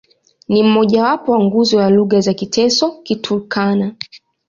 Ni mmojawapo wa nguzo ya lugha za Kiteso-Kiturkana.